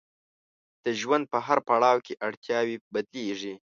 د ژوند په هر پړاو کې اړتیاوې بدلیږي.